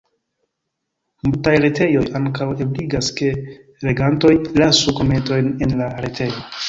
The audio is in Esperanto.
Multaj retejoj ankaŭ ebligas ke legantoj lasu komentojn en la retejo.